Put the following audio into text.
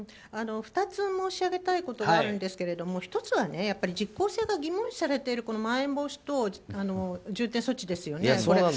２つ、申し上げたいことがあるんですけども１つは実効性が疑問視されているまん延防止等重点措置ですよね。